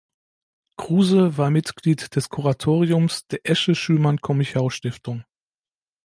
Kruse war Mitglied des Kuratoriums der Esche Schümann Commichau Stiftung.